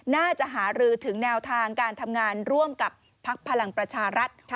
น่าจะหารือถึงแนวทางการทำงานร่วมกับพักพลังประชารัฐ